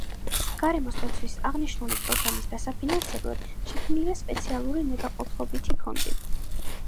გარემოს დაცვის აღნიშნული პროგრამის დასაფინანსებლად შექმნილია სპეციალური ნებაყოფლობითი ფონდი.